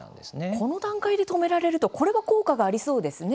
この段階で止められるとこれは効果がありそうですね。